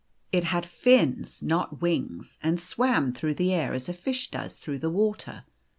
It had fins, not wings, and swam through the air as a fish does through the water.